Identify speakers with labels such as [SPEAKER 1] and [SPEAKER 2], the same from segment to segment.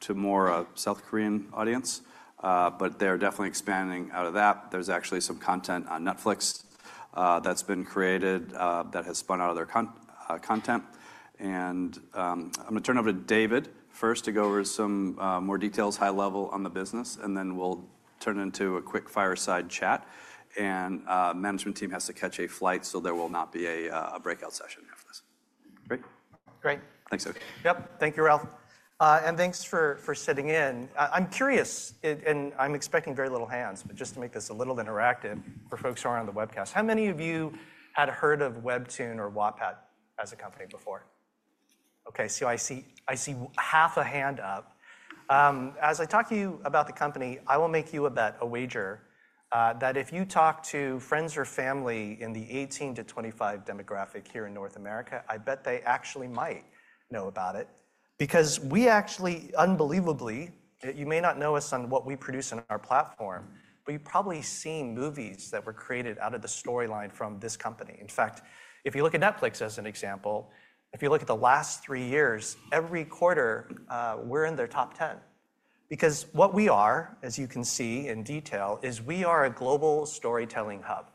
[SPEAKER 1] To more South Korean audience, but they're definitely expanding out of that. There's actually some content on Netflix that's been created that has spun out of their content. I'm going to turn it over to David first to go over some more details high level on the business, and then we'll turn it into a quick fireside chat. The management team has to catch a flight, so there will not be a breakout session after this. Great.
[SPEAKER 2] Great.
[SPEAKER 1] Thanks, David.
[SPEAKER 2] Yep. Thank you, Ralph. Thanks for sitting in. I'm curious, and I'm expecting very few hands, but just to make this a little interactive for folks who aren't on the webcast, how many of you had heard of WEBTOON or Wattpad as a company before? OK, I see half a hand up. As I talk to you about the company, I will make you a bet, a wager, that if you talk to friends or family in the 18-25 demographic here in North America, I bet they actually might know about it. Because we actually, unbelievably, you may not know us or what we produce on our platform, but you've probably seen movies that were created out of the storyline from this company. In fact, if you look at Netflix as an example, if you look at the last three years, every quarter, we're in their top 10. Because what we are, as you can see in detail, is we are a global storytelling hub.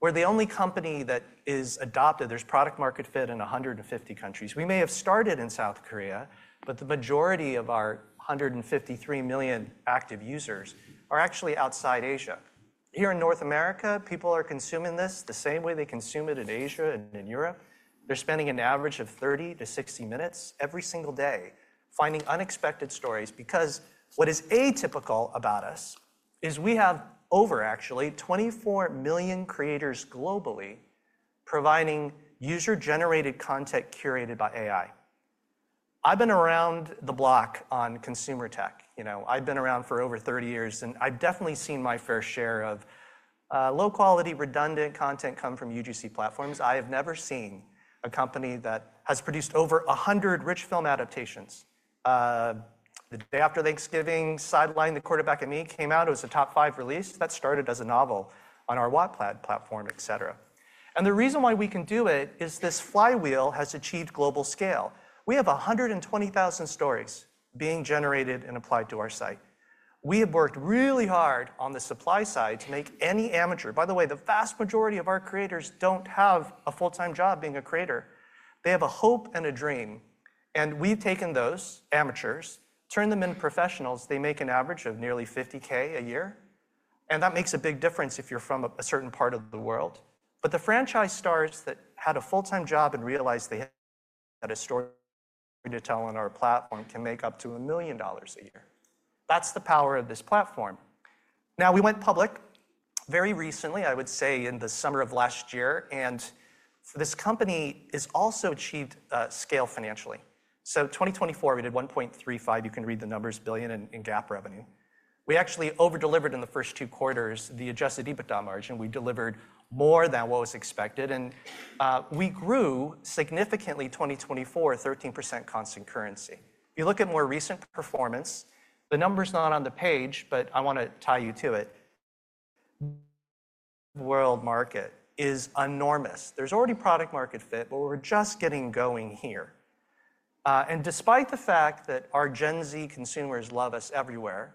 [SPEAKER 2] We're the only company that is adopted; there's product-market fit in 150 countries. We may have started in South Korea, but the majority of our 153 million active users are actually outside Asia. Here in North America, people are consuming this the same way they consume it in Asia and in Europe. They're spending an average of 30-60 minutes every single day finding unexpected stories. Because what is atypical about us is we have over, actually, 24 million creators globally providing user-generated content curated by AI. I've been around the block on consumer tech. I've been around for over 30 years, and I've definitely seen my fair share of low-quality, redundant content come from UGC platforms. I have never seen a company that has produced over 100 rich film adaptations. The day after Thanksgiving, "Sidelined: The Quarterback and Me" came out. It was a top five release. That started as a novel on our Wattpad platform, et cetera. The reason why we can do it is this flywheel has achieved global scale. We have 120,000 stories being generated and applied to our site. We have worked really hard on the supply side to make any amateur—by the way, the vast majority of our creators don't have a full-time job being a creator. They have a hope and a dream. We've taken those amateurs, turned them into professionals. They make an average of nearly $50,000 a year. That makes a big difference if you're from a certain part of the world. The franchise stars that had a full-time job and realized they had a story to tell on our platform can make up to $1 million a year. That's the power of this platform. We went public very recently, I would say in the summer of last year. This company has also achieved scale financially. In 2024, we did $1.35 billion in GAAP revenue. We actually over-delivered in the first two quarters, the adjusted EBITDA margin. We delivered more than what was expected. We grew significantly in 2024, 13% constant currency. If you look at more recent performance, the number's not on the page, but I want to tie you to it. The global market is enormous. There's already product-market fit, but we're just getting going here. Despite the fact that our Gen Z consumers love us everywhere,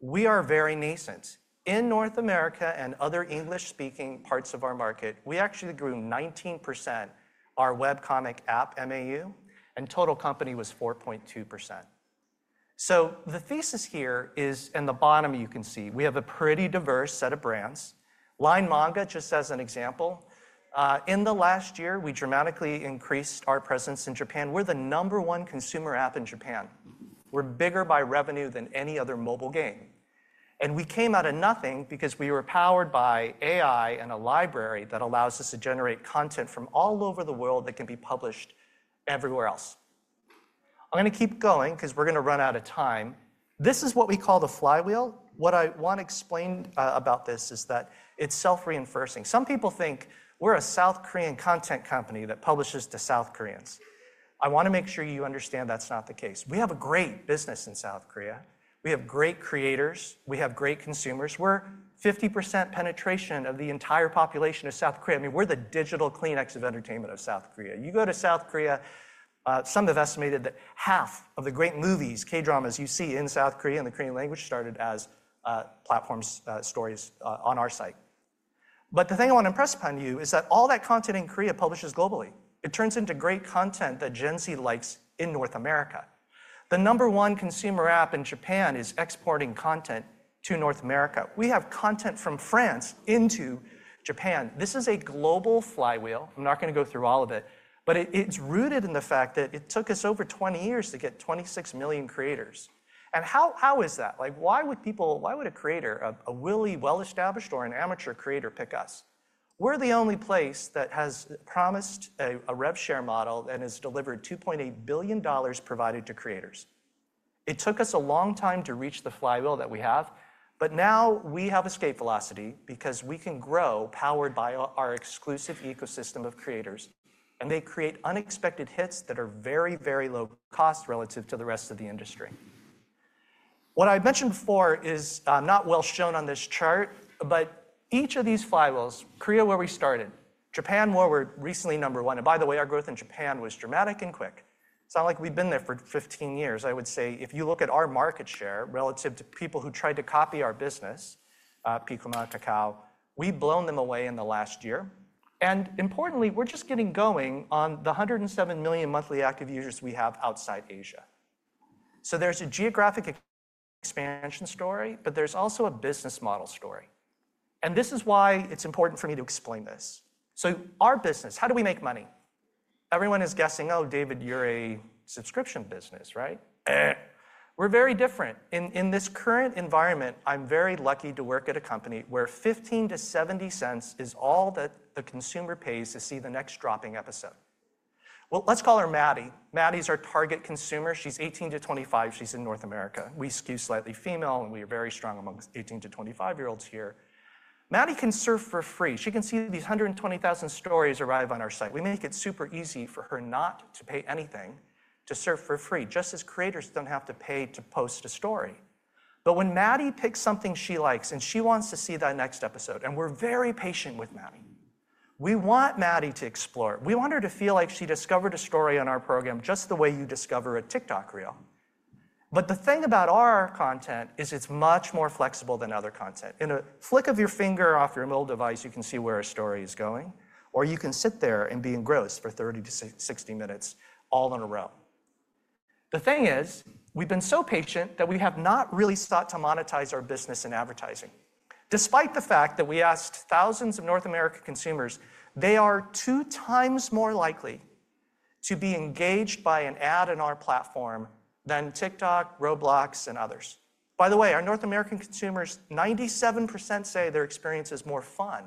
[SPEAKER 2] we are very nascent. In North America and other English-speaking parts of our market, we actually grew 19% our webcomic app, MAU, and total company was 4.2%. The thesis here is, in the bottom, you can see, we have a pretty diverse set of brands. LINE Manga, just as an example, in the last year, we dramatically increased our presence in Japan. We are the number one consumer app in Japan. We are bigger by revenue than any other mobile game. We came out of nothing because we were powered by AI and a library that allows us to generate content from all over the world that can be published everywhere else. I am going to keep going because we are going to run out of time. This is what we call the flywheel. What I want to explain about this is that it's self-reinforcing. Some people think we're a South Korean content company that publishes to South Koreans. I want to make sure you understand that's not the case. We have a great business in South Korea. We have great creators. We have great consumers. We're at 50% penetration of the entire population of South Korea. I mean, we're the digital Kleenex of entertainment of South Korea. You go to South Korea, some have estimated that half of the great movies, K-dramas you see in South Korea in the Korean language started as platform stories on our site. The thing I want to impress upon you is that all that content in Korea publishes globally. It turns into great content that Gen Z likes in North America. The number one consumer app in Japan is exporting content to North America. We have content from France into Japan. This is a global flywheel. I'm not going to go through all of it. It is rooted in the fact that it took us over 20 years to get 26 million creators. And how is that? Why would a creator, a really well-established or an amateur creator, pick us? We're the only place that has promised a rev share model and has delivered $2.8 billion provided to creators. It took us a long time to reach the flywheel that we have. Now we have escape velocity because we can grow powered by our exclusive ecosystem of creators. They create unexpected hits that are very, very low cost relative to the rest of the industry. What I mentioned before is not well shown on this chart, but each of these flywheels, Korea where we started, Japan, where we're recently number one. By the way, our growth in Japan was dramatic and quick. It's not like we've been there for 15 years. I would say if you look at our market share relative to people who tried to copy our business, Piccoma, Kakao, we've blown them away in the last year. Importantly, we're just getting going on the 107 million monthly active users we have outside Asia. There's a geographic expansion story, but there's also a business model story. This is why it's important for me to explain this. Our business, how do we make money? Everyone is guessing, oh, David, you're a subscription business, right? We're very different. In this current environment, I'm very lucky to work at a company where $0.15-$0.70 is all that the consumer pays to see the next dropping episode. Let's call her Maddie. Maddie's our target consumer. She's 18-25. She's in North America. We skew slightly female, and we are very strong amongst 18-25-year-olds here. Maddie can surf for free. She can see these 120,000 stories arrive on our site. We make it super easy for her not to pay anything to surf for free, just as creators don't have to pay to post a story. When Maddie picks something she likes and she wants to see that next episode, and we're very patient with Maddie, we want Maddie to explore. We want her to feel like she discovered a story on our program just the way you discover a TikTok reel. The thing about our content is it's much more flexible than other content. In a flick of your finger off your mobile device, you can see where a story is going. You can sit there and be engrossed for 30-60 minutes all in a row. The thing is, we have been so patient that we have not really sought to monetize our business in advertising. Despite the fact that we asked thousands of North American consumers, they are two times more likely to be engaged by an ad on our platform than TikTok, Roblox, and others. By the way, our North American consumers, 97% say their experience is more fun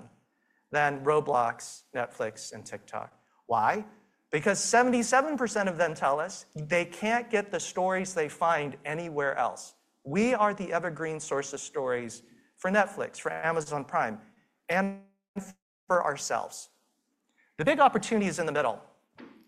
[SPEAKER 2] than Roblox, Netflix, and TikTok. Why? Because 77% of them tell us they cannot get the stories they find anywhere else. We are the evergreen source of stories for Netflix, for Amazon Prime, and for ourselves. The big opportunity is in the middle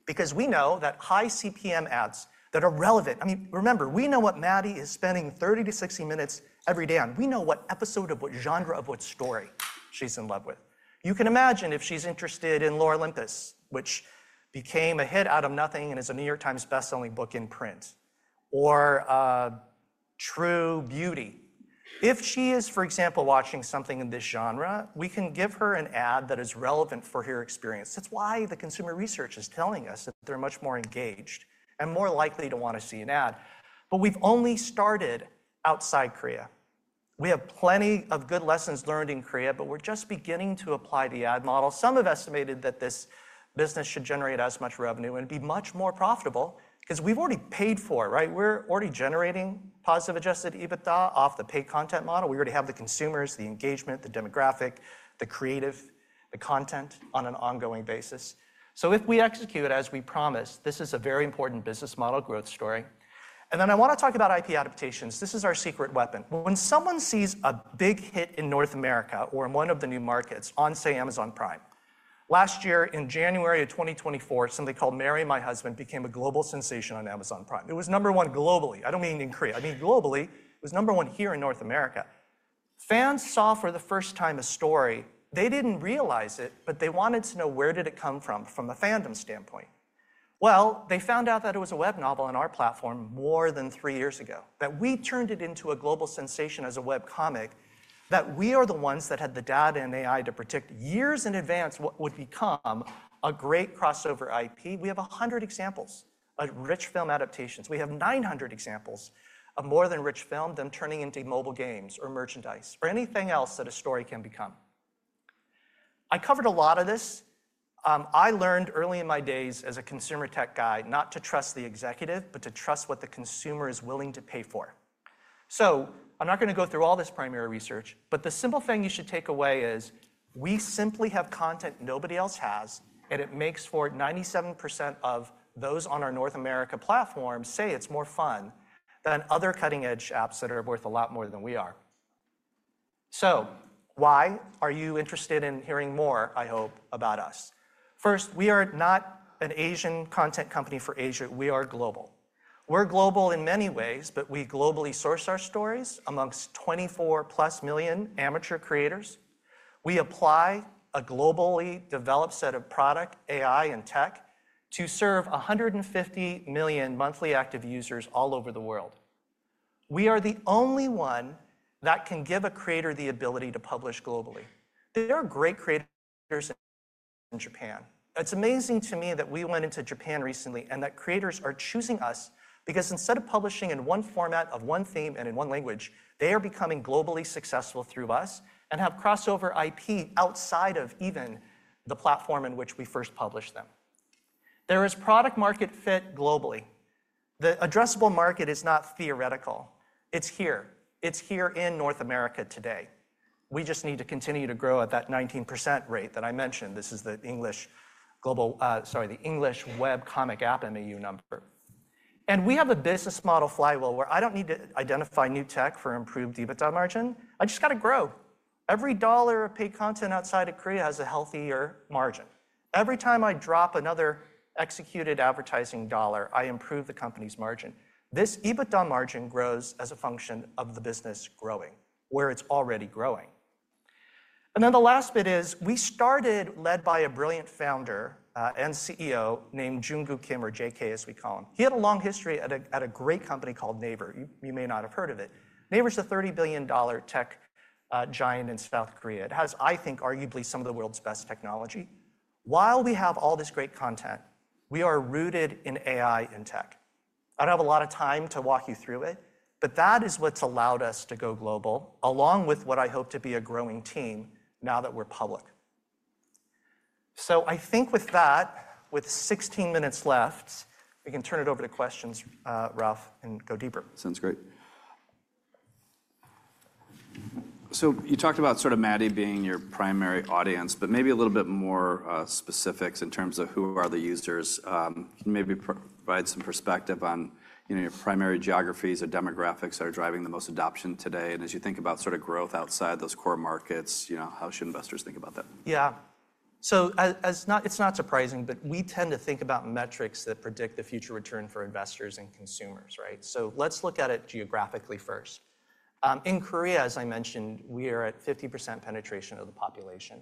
[SPEAKER 2] because we know that high CPM ads that are relevant—I mean, remember, we know what Maddie is spending 30-60 minutes every day on. We know what episode of what genre of what story she's in love with. You can imagine if she's interested in "Lore Olympus," which became a hit out of nothing and is a New York Times bestselling book in print, or "True Beauty." If she is, for example, watching something in this genre, we can give her an ad that is relevant for her experience. That is why the consumer research is telling us that they're much more engaged and more likely to want to see an ad. We have only started outside Korea. We have plenty of good lessons learned in Korea, but we're just beginning to apply the ad model. Some have estimated that this business should generate as much revenue and be much more profitable because we've already paid for it, right? We're already generating positive adjusted EBITDA off the paid content model. We already have the consumers, the engagement, the demographic, the creative, the content on an ongoing basis. If we execute it as we promised, this is a very important business model growth story. I want to talk about IP adaptations. This is our secret weapon. When someone sees a big hit in North America or in one of the new markets on, say, Amazon Prime, last year in January of 2024, something called "Marry My Husband" became a global sensation on Amazon Prime. It was number one globally. I do not mean in Korea. I mean globally. It was number one here in North America. Fans saw for the first time a story. They did not realize it, but they wanted to know where did it come from, from a fandom standpoint. They found out that it was a web novel on our platform more than three years ago, that we turned it into a global sensation as a webcomic, that we are the ones that had the data and AI to predict years in advance what would become a great crossover IP. We have 100 examples of rich film adaptations. We have 900 examples of more than rich film, them turning into mobile games or merchandise or anything else that a story can become. I covered a lot of this. I learned early in my days as a consumer tech guy not to trust the executive, but to trust what the consumer is willing to pay for. I am not going to go through all this primary research. The simple thing you should take away is we simply have content nobody else has. It makes for 97% of those on our North America platform say it's more fun than other cutting-edge apps that are worth a lot more than we are. Why are you interested in hearing more, I hope, about us? First, we are not an Asian content company for Asia. We are global. We're global in many ways, but we globally source our stories amongst 24-plus million amateur creators. We apply a globally developed set of product, AI, and tech to serve 150 million monthly active users all over the world. We are the only one that can give a creator the ability to publish globally. There are great creators in Japan. It's amazing to me that we went into Japan recently and that creators are choosing us because instead of publishing in one format of one theme and in one language, they are becoming globally successful through us and have crossover IP outside of even the platform in which we first published them. There is product-market fit globally. The addressable market is not theoretical. It's here. It's here in North America today. We just need to continue to grow at that 19% rate that I mentioned. This is the English global—sorry, the English webcomic app MAU number. We have a business model flywheel where I don't need to identify new tech for improved EBITDA margin. I just got to grow. Every dollar of paid content outside of Korea has a healthier margin. Every time I drop another executed advertising dollar, I improve the company's margin. This EBITDA margin grows as a function of the business growing, where it's already growing. The last bit is we started led by a brilliant founder and CEO named Junkoo Kim, or JK, as we call him. He had a long history at a great company called Naver. You may not have heard of it. Naver is a $30 billion tech giant in South Korea. It has, I think, arguably some of the world's best technology. While we have all this great content, we are rooted in AI and tech. I don't have a lot of time to walk you through it, but that is what's allowed us to go global, along with what I hope to be a growing team now that we're public. I think with that, with 16 minutes left, we can turn it over to questions, Ralph, and go deeper.
[SPEAKER 1] Sounds great. You talked about sort of Maddie being your primary audience, but maybe a little bit more specifics in terms of who are the users. Can you maybe provide some perspective on your primary geographies or demographics that are driving the most adoption today? As you think about sort of growth outside those core markets, how should investors think about that?
[SPEAKER 2] Yeah. So it's not surprising, but we tend to think about metrics that predict the future return for investors and consumers, right? Let's look at it geographically first. In Korea, as I mentioned, we are at 50% penetration of the population.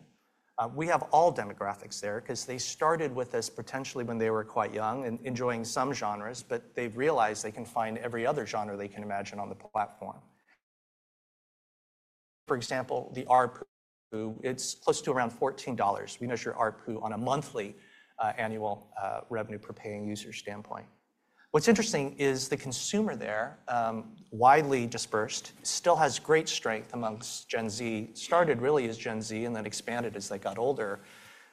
[SPEAKER 2] We have all demographics there because they started with us potentially when they were quite young and enjoying some genres, but they've realized they can find every other genre they can imagine on the platform. For example, the RPU, it's close to around $14. We measure RPU on a monthly annual revenue per paying user standpoint. What's interesting is the consumer there, widely dispersed, still has great strength amongst Gen Z, started really as Gen Z and then expanded as they got older.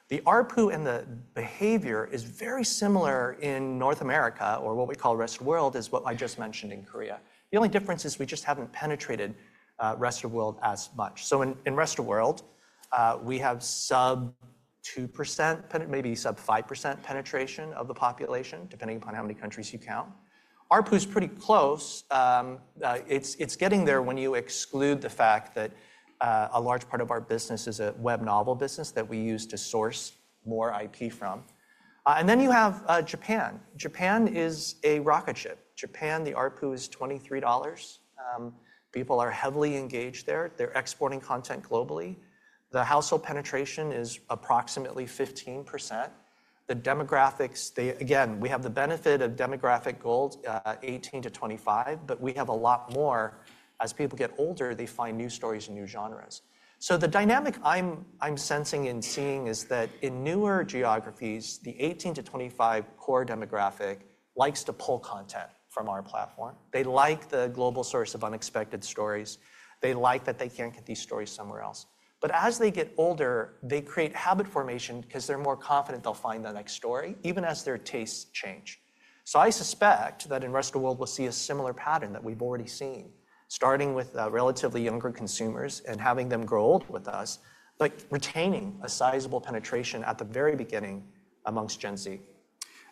[SPEAKER 2] The RPU and the behavior is very similar in North America, or what we call rest of world, is what I just mentioned in Korea. The only difference is we just haven't penetrated rest of world as much. In rest of world, we have sub 2%, maybe sub 5% penetration of the population, depending upon how many countries you count. RPU is pretty close. It's getting there when you exclude the fact that a large part of our business is a web novel business that we use to source more IP from. You have Japan. Japan is a rocket ship. Japan, the RPU is $23. People are heavily engaged there. They're exporting content globally. The household penetration is approximately 15%. The demographics, again, we have the benefit of demographic goals, 18-25, but we have a lot more. As people get older, they find new stories and new genres. The dynamic I'm sensing and seeing is that in newer geographies, the 18-25 core demographic likes to pull content from our platform. They like the global source of unexpected stories. They like that they can't get these stories somewhere else. As they get older, they create habit formation because they're more confident they'll find the next story, even as their tastes change. I suspect that in rest of world, we'll see a similar pattern that we've already seen, starting with relatively younger consumers and having them grow old with us, but retaining a sizable penetration at the very beginning amongst Gen Z.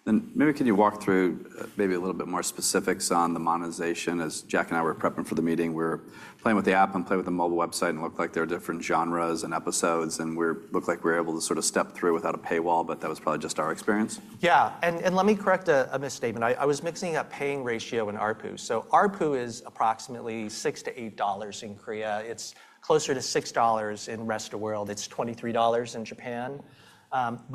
[SPEAKER 1] Could you walk through maybe a little bit more specifics on the monetization? As Jack and I were prepping for the meeting, we were playing with the app and played with the mobile website and it looked like there are different genres and episodes. It looked like we were able to sort of step through without a paywall, but that was probably just our experience.
[SPEAKER 2] Yeah. Let me correct a misstatement. I was mixing up paying ratio and RPU. RPU is approximately $6-$8 in Korea. It is closer to $6 in rest of world. It is $23 in Japan.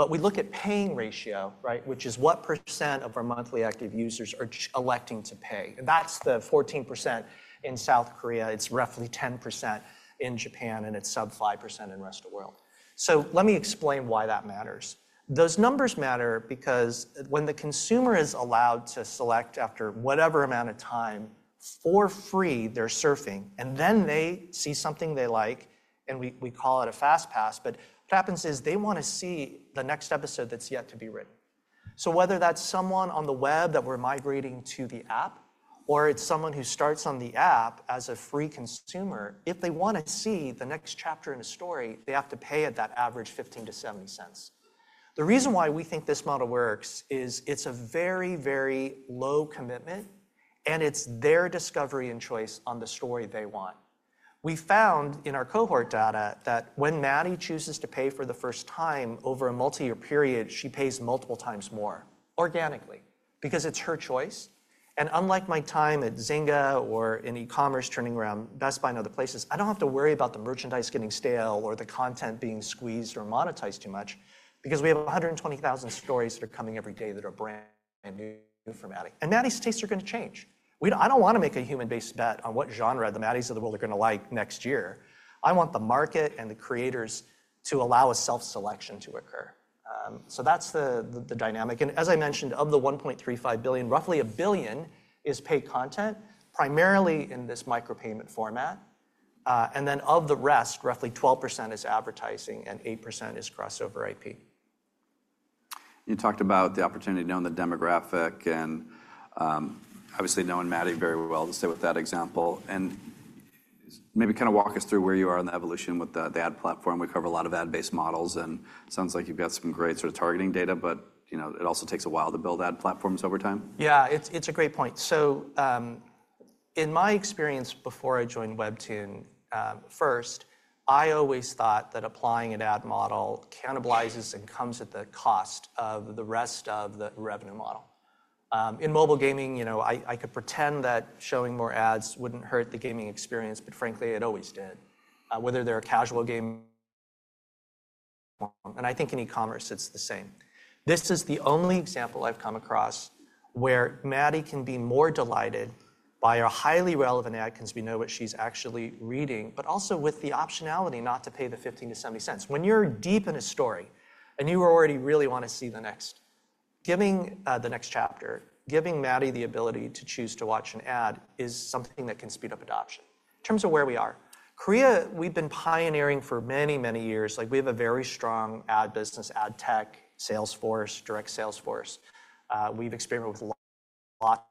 [SPEAKER 2] We look at paying ratio, right, which is what % of our monthly active users are electing to pay. That is the 14% in South Korea. It is roughly 10% in Japan, and it is sub 5% in rest of world. Let me explain why that matters. Those numbers matter because when the consumer is allowed to select after whatever amount of time for free, they are surfing. They see something they like, and we call it a fast pass. What happens is they want to see the next episode that is yet to be written. Whether that's someone on the web that we're migrating to the app, or it's someone who starts on the app as a free consumer, if they want to see the next chapter in a story, they have to pay at that average $0.15-$0.70. The reason why we think this model works is it's a very, very low commitment, and it's their discovery and choice on the story they want. We found in our cohort data that when Maddie chooses to pay for the first time over a multi-year period, she pays multiple times more organically because it's her choice. Unlike my time at Zynga or in e-commerce turning around Best Buy and other places, I do not have to worry about the merchandise getting stale or the content being squeezed or monetized too much because we have 120,000 stories that are coming every day that are brand new from Maddie. Maddie's tastes are going to change. I do not want to make a human-based bet on what genre the Maddies of the world are going to like next year. I want the market and the creators to allow a self-selection to occur. That is the dynamic. As I mentioned, of the $1.35 billion, roughly $1 billion is paid content, primarily in this micropayment format. Of the rest, roughly 12% is advertising and 8% is crossover IP.
[SPEAKER 1] You talked about the opportunity to know the demographic. Obviously, knowing Maddie very well, to stay with that example. Maybe kind of walk us through where you are in the evolution with the ad platform. We cover a lot of ad-based models, and it sounds like you've got some great sort of targeting data, but it also takes a while to build ad platforms over time.
[SPEAKER 2] Yeah, it's a great point. In my experience before I joined WEBTOON, first, I always thought that applying an ad model cannibalizes and comes at the cost of the rest of the revenue model. In mobile gaming, I could pretend that showing more ads would not hurt the gaming experience, but frankly, it always did, whether they are a casual game. I think in e-commerce, it's the same. This is the only example I have come across where Maddie can be more delighted by our highly relevant ad because we know what she's actually reading, but also with the optionality not to pay the 15-70 cents. When you're deep in a story and you already really want to see the next chapter, giving Maddie the ability to choose to watch an ad is something that can speed up adoption. In terms of where we are, Korea, we've been pioneering for many, many years. We have a very strong ad business, ad tech, Salesforce, direct Salesforce. We've experimented with lots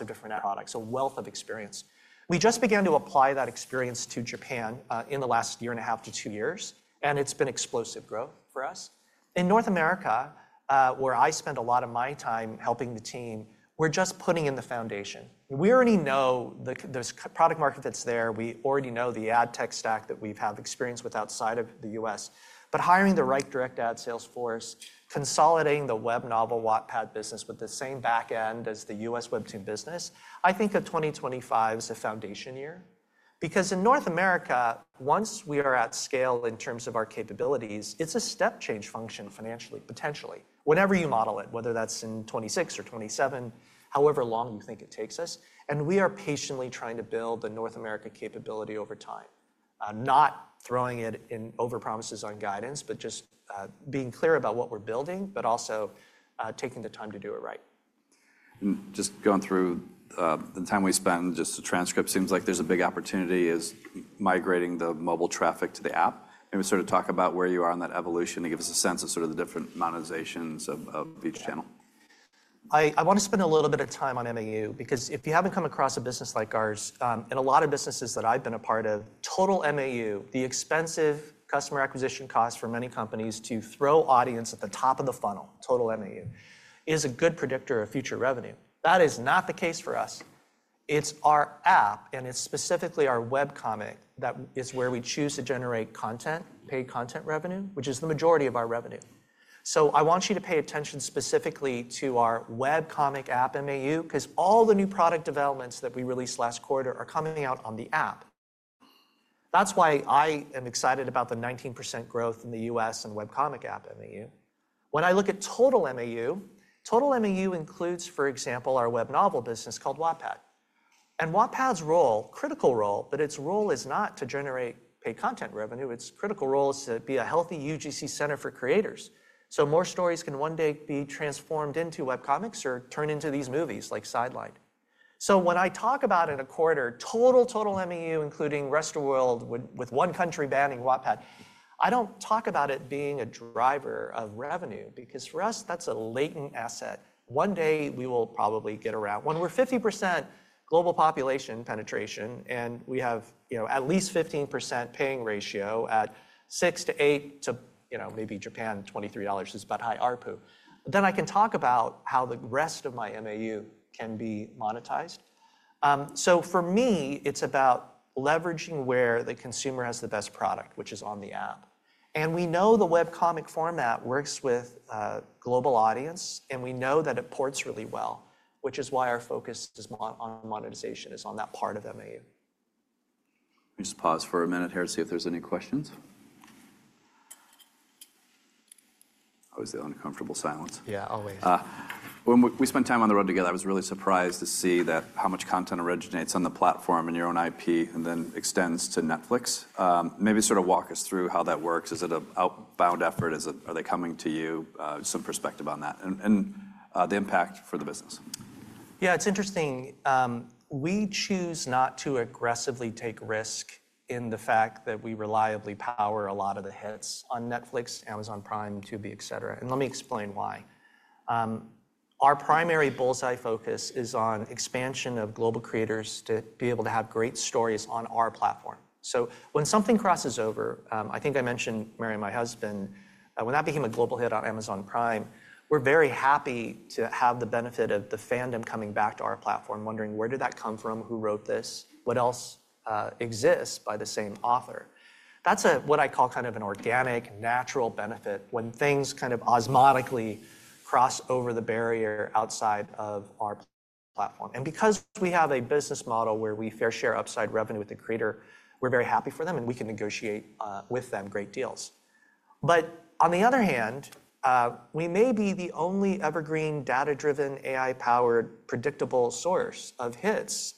[SPEAKER 2] of different ad products, a wealth of experience. We just began to apply that experience to Japan in the last year and a half to two years, and it's been explosive growth for us. In North America, where I spend a lot of my time helping the team, we're just putting in the foundation. We already know the product market that's there. We already know the ad tech stack that we have experience with outside of the U.S. Hiring the right direct ad Salesforce, consolidating the web novel Wattpad business with the same back end as the U.S. WEBTOON business, I think of 2025 as a foundation year. Because in North America, once we are at scale in terms of our capabilities, it's a step change function financially, potentially, whenever you model it, whether that's in 2026 or 2027, however long you think it takes us. We are patiently trying to build the North America capability over time, not throwing it in over promises on guidance, but just being clear about what we're building, but also taking the time to do it right.
[SPEAKER 1] Just going through the time we spend, just the transcript seems like there's a big opportunity is migrating the mobile traffic to the app. Maybe sort of talk about where you are on that evolution and give us a sense of sort of the different monetizations of each channel.
[SPEAKER 2] I want to spend a little bit of time on MAU because if you have not come across a business like ours, and a lot of businesses that I have been a part of, total MAU, the expensive customer acquisition cost for many companies to throw audience at the top of the funnel, total MAU, is a good predictor of future revenue. That is not the case for us. It is our app, and it is specifically our webcomic that is where we choose to generate content, paid content revenue, which is the majority of our revenue. I want you to pay attention specifically to our webcomic app MAU because all the new product developments that we released last quarter are coming out on the app. That is why I am excited about the 19% growth in the U.S. and webcomic app MAU. When I look at total MAU, total MAU includes, for example, our web novel business called Wattpad. And Wattpad's role, critical role, but its role is not to generate paid content revenue. Its critical role is to be a healthy UGC center for creators. So more stories can one day be transformed into webcomics or turned into these movies like Sideline. When I talk about in a quarter, total total MAU, including rest of world with one country banning Wattpad, I do not talk about it being a driver of revenue because for us, that is a latent asset. One day, we will probably get around. When we are 50% global population penetration and we have at least 15% paying ratio at $6-$8 to maybe Japan, $23 is about high RPU, then I can talk about how the rest of my MAU can be monetized. For me, it's about leveraging where the consumer has the best product, which is on the app. We know the webcomic format works with a global audience, and we know that it ports really well, which is why our focus is on monetization, is on that part of MAU.
[SPEAKER 1] We just pause for a minute here to see if there's any questions. Always the uncomfortable silence.
[SPEAKER 2] Yeah, always.
[SPEAKER 1] When we spent time on the road together, I was really surprised to see how much content originates on the platform and your own IP and then extends to Netflix. Maybe sort of walk us through how that works. Is it an outbound effort? Are they coming to you? Some perspective on that and the impact for the business.
[SPEAKER 2] Yeah, it's interesting. We choose not to aggressively take risk in the fact that we reliably power a lot of the hits on Netflix, Amazon Prime, Tubi, et cetera. Let me explain why. Our primary bullseye focus is on expansion of global creators to be able to have great stories on our platform. When something crosses over, I think I mentioned, Marry My Husband, when that became a global hit on Amazon Prime, we're very happy to have the benefit of the fandom coming back to our platform, wondering, where did that come from? Who wrote this? What else exists by the same author? That's what I call kind of an organic, natural benefit when things kind of osmotically cross over the barrier outside of our platform. Because we have a business model where we fair share upside revenue with the creator, we're very happy for them, and we can negotiate with them great deals. On the other hand, we may be the only evergreen, data-driven, AI-powered, predictable source of hits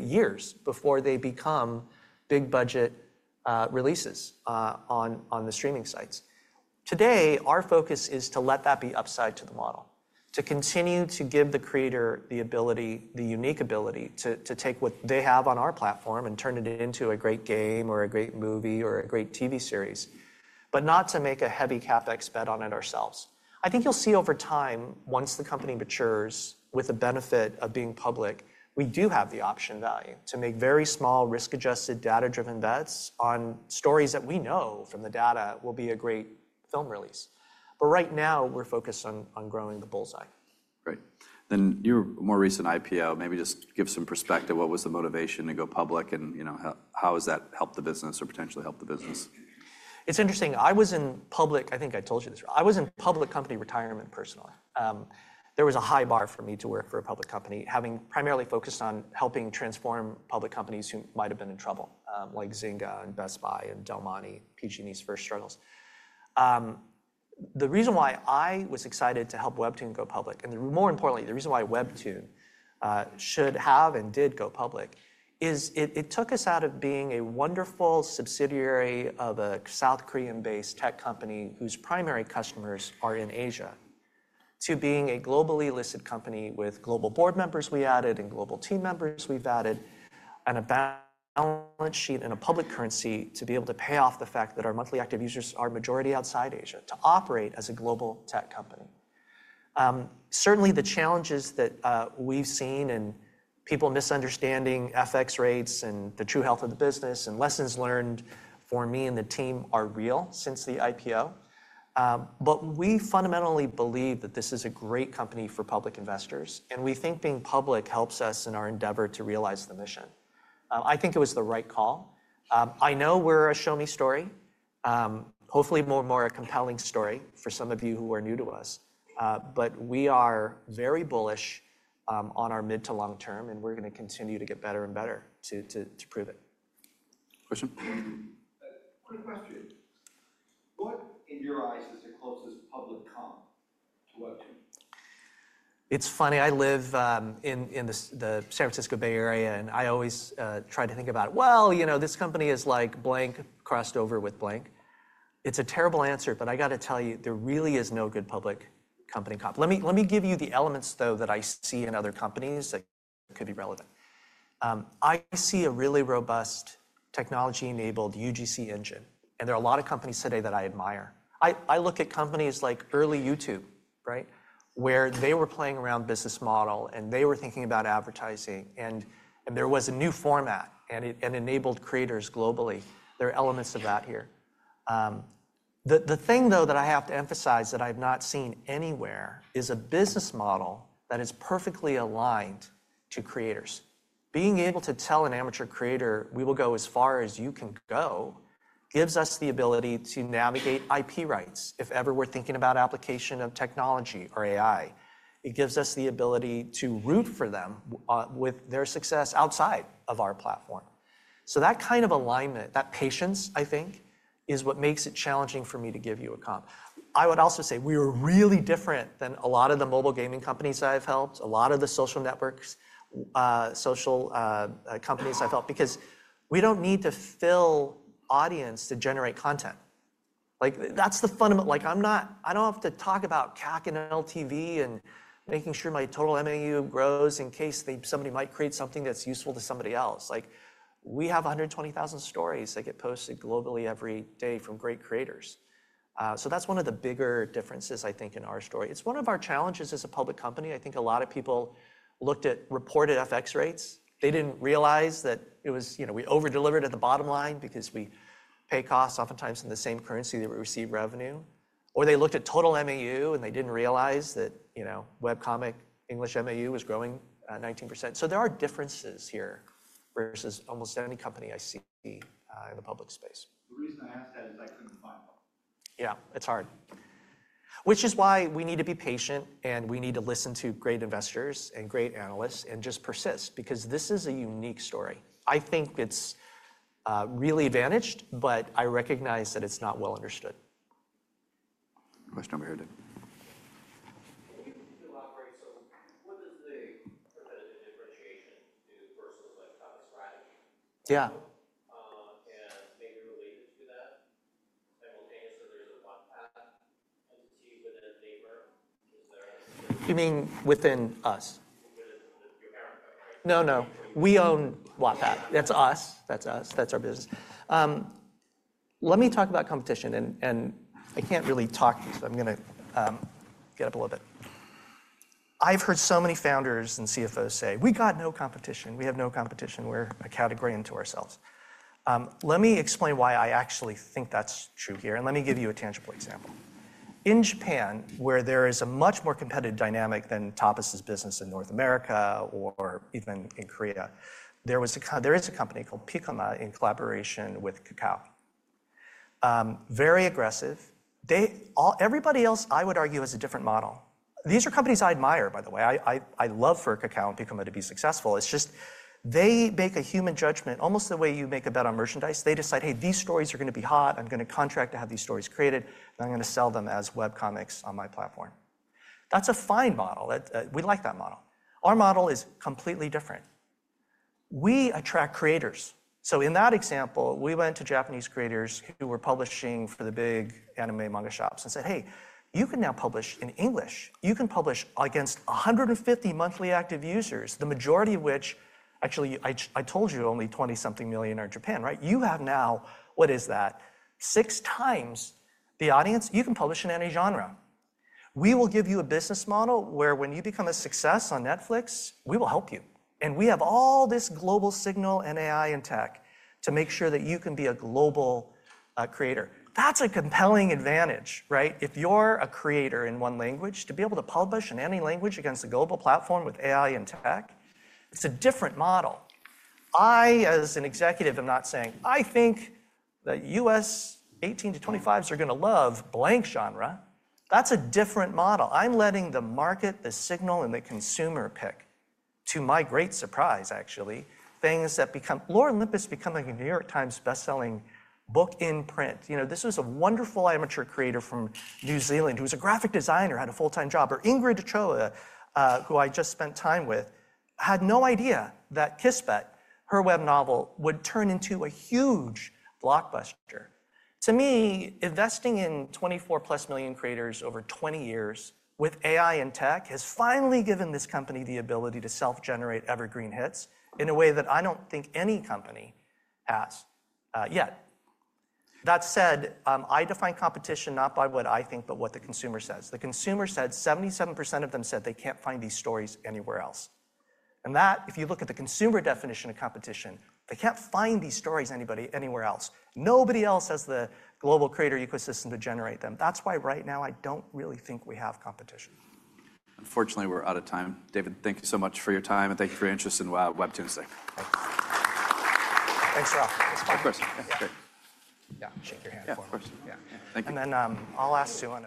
[SPEAKER 2] years before they become big budget releases on the streaming sites. Today, our focus is to let that be upside to the model, to continue to give the creator the ability, the unique ability to take what they have on our platform and turn it into a great game or a great movie or a great TV series, but not to make a heavy CapEx bet on it ourselves. I think you'll see over time, once the company matures with the benefit of being public, we do have the option value to make very small, risk-adjusted, data-driven bets on stories that we know from the data will be a great film release. Right now, we're focused on growing the bullseye.
[SPEAKER 1] Great. Your more recent IPO, maybe just give some perspective. What was the motivation to go public, and how has that helped the business or potentially helped the business?
[SPEAKER 2] It's interesting. I was in public, I think I told you this. I was in public company retirement personal. There was a high bar for me to work for a public company, having primarily focused on helping transform public companies who might have been in trouble, like Zynga and Best Buy and Del Monte, PG&E's first struggles. The reason why I was excited to help WEBTOON go public, and more importantly, the reason why WEBTOON should have and did go public, is it took us out of being a wonderful subsidiary of a South Korean-based tech company whose primary customers are in Asia to being a globally listed company with global board members we added and global team members we've added and a balance sheet in a public currency to be able to pay off the fact that our monthly active users are a majority outside Asia to operate as a global tech company. Certainly, the challenges that we've seen and people misunderstanding FX rates and the true health of the business and lessons learned for me and the team are real since the IPO. We fundamentally believe that this is a great company for public investors, and we think being public helps us in our endeavor to realize the mission. I think it was the right call. I know we're a show-me story, hopefully more and more a compelling story for some of you who are new to us. We are very bullish on our mid to long term, and we're going to continue to get better and better to prove it.
[SPEAKER 1] Question?
[SPEAKER 3] Quick question. What, in your eyes, is the closest public comp to WEBTOON?
[SPEAKER 2] It's funny. I live in the San Francisco Bay Area, and I always try to think about, well, you know this company is like blank crossed over with blank. It's a terrible answer, but I got to tell you, there really is no good public company comp. Let me give you the elements, though, that I see in other companies that could be relevant. I see a really robust technology-enabled UGC engine, and there are a lot of companies today that I admire. I look at companies like early YouTube, where they were playing around business model, and they were thinking about advertising, and there was a new format and enabled creators globally. There are elements of that here. The thing, though, that I have to emphasize that I've not seen anywhere is a business model that is perfectly aligned to creators. Being able to tell an amateur creator, we will go as far as you can go, gives us the ability to navigate IP rights if ever we're thinking about application of technology or AI. It gives us the ability to root for them with their success outside of our platform. That kind of alignment, that patience, I think, is what makes it challenging for me to give you a comp. I would also say we are really different than a lot of the mobile gaming companies I've helped, a lot of the social networks, social companies I've helped, because we don't need to fill audience to generate content. That's the fundamental. I don't have to talk about CAC and LTV and making sure my total MAU grows in case somebody might create something that's useful to somebody else. We have 120,000 stories that get posted globally every day from great creators. That is one of the bigger differences, I think, in our story. It is one of our challenges as a public company. I think a lot of people looked at reported FX rates. They did not realize that we overdelivered at the bottom line because we pay costs oftentimes in the same currency that we receive revenue. Or they looked at total MAU, and they did not realize that webcomic English MAU was growing 19%. There are differences here versus almost any company I see in the public space.
[SPEAKER 3] The reason I ask that is I couldn't find one.
[SPEAKER 2] Yeah, it's hard. Which is why we need to be patient, and we need to listen to great investors and great analysts and just persist because this is a unique story. I think it's really advantaged, but I recognize that it's not well understood.
[SPEAKER 4] Question over here, David.
[SPEAKER 3] If you could still operate, what does the competitive differentiation do versus a strategy?
[SPEAKER 2] Yeah.
[SPEAKER 3] Maybe related to that, simultaneously, there's a Wattpad entity within NAVER.
[SPEAKER 2] You mean within us?
[SPEAKER 3] Within your parent company, right?
[SPEAKER 2] No, no. We own Wattpad. That's us. That's us. That's our business. Let me talk about competition, and I can't really talk to you, so I'm going to get up a little bit. I've heard so many founders and CFOs say, we got no competition. We have no competition. We're a category unto ourselves. Let me explain why I actually think that's true here, and let me give you a tangible example. In Japan, where there is a much more competitive dynamic than Tapas business in North America or even in Korea, there is a company called Piccoma in collaboration with Kakao. Very aggressive. Everybody else, I would argue, has a different model. These are companies I admire, by the way. I love for Kakao and Piccoma to be successful. It's just they make a human judgment almost the way you make a bet on merchandise. They decide, hey, these stories are going to be hot. I'm going to contract to have these stories created, and I'm going to sell them as webcomics on my platform. That's a fine model. We like that model. Our model is completely different. We attract creators. In that example, we went to Japanese creators who were publishing for the big anime manga shops and said, hey, you can now publish in English. You can publish against 150 million monthly active users, the majority of which, actually, I told you, only 20-something million are in Japan. You have now, what is that? Six times the audience. You can publish in any genre. We will give you a business model where when you become a success on Netflix, we will help you. We have all this global signal and AI and tech to make sure that you can be a global creator. That is a compelling advantage. If you are a creator in one language, to be able to publish in any language against a global platform with AI and tech, it is a different model. I, as an executive, am not saying I think that U.S. 18-25s are going to love blank genre. That is a different model. I am letting the market, the signal, and the consumer pick, to my great surprise, actually, things that become Lore Olympus is becoming a New York Times bestselling book in print. This was a wonderful amateur creator from New Zealand who was a graphic designer, had a full-time job. Ingrid Ochoa, who I just spent time with, had no idea that Kiss Bet, her web novel, would turn into a huge blockbuster. To me, investing in 24-plus million creators over 20 years with AI and tech has finally given this company the ability to self-generate evergreen hits in a way that I don't think any company has yet. That said, I define competition not by what I think, but what the consumer says. The consumer said 77% of them said they can't find these stories anywhere else. If you look at the consumer definition of competition, they can't find these stories anybody anywhere else. Nobody else has the global creator ecosystem to generate them. That's why right now, I don't really think we have competition.
[SPEAKER 1] Unfortunately, we're out of time. David, thank you so much for your time, and thank you for your interest in WEBTOON today.
[SPEAKER 2] Thanks. Thanks for all.
[SPEAKER 1] Of course. Yeah.
[SPEAKER 2] Yeah, shake your hand for me.
[SPEAKER 1] Of course.
[SPEAKER 2] Yeah.
[SPEAKER 1] Thank you.
[SPEAKER 2] I'll ask you one.